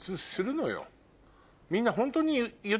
みんなホントに。